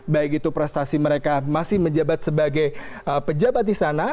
baik itu prestasi mereka masih menjabat sebagai pejabat di sana